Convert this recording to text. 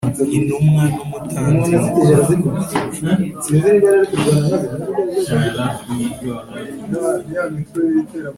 intumwa n umutambyi mukuru